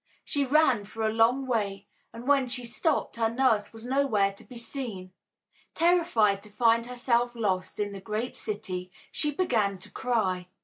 She ran for a long way, and when she stopped, her nurse was nowhere to be seen. Terrified to find herself lost in the great city, she began to cry.